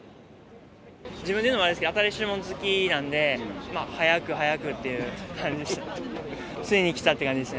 自分で言うのもあれですけど、新しいもの好きなんで、早く早くっていう感じですよ。